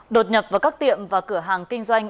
đột nhập vào các tiệm và cửa hàng kinh doanh